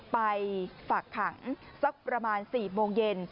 ไปฝากขังสักประมาณ๔โมงเย็น